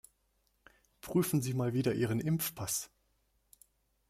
Prüfen Sie mal wieder Ihren Impfpass!